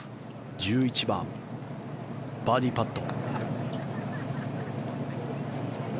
１１番、バーディーパット。